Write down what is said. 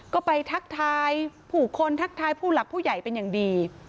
ก็ไปทักทายผู้คนทักทายผู้หลักผู้ใหญ่เป็นอย่างดี